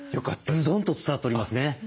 ズドンと伝わっておりますね。